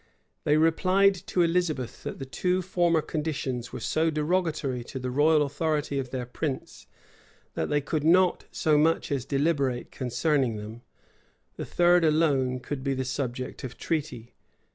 They replied to Elizabeth that the two former conditions were so derogatory to the royal authority of their prince, that they could not so much as deliberate concerning them: the third alone could be the subject of treaty.